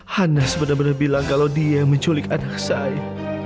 hana sebenarnya bilang kalau dia yang menculik anak saya